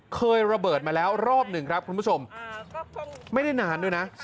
เคยระเบิดมาแล้วรอบหนึ่งครับคุณผู้ชมไม่ได้นานด้วยนะ